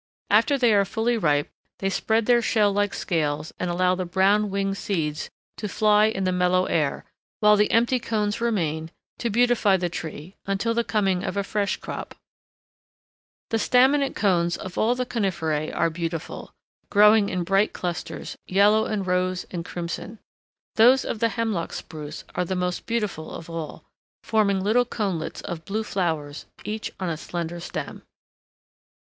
After they are fully ripe, they spread their shell like scales and allow the brown winged seeds to fly in the mellow air, while the empty cones remain to beautify the tree until the coming of a fresh crop. [Illustration: STORM BEATEN HEMLOCK SPRUCE, FORTY FEET HIGH.] The staminate cones of all the coniferae are beautiful, growing in bright clusters, yellow, and rose, and crimson. Those of the Hemlock Spruce are the most beautiful of all, forming little conelets of blue flowers, each on a slender stem.